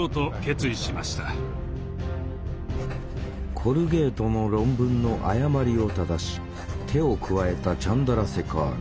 コルゲートの論文の誤りを正し手を加えたチャンドラセカール。